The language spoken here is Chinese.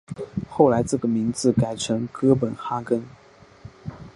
后来这个名字改成哥本哈根。